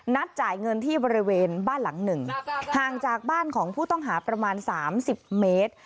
จ่ายเงินที่บริเวณบ้านหลังหนึ่งห่างจากบ้านของผู้ต้องหาประมาณสามสิบเมตร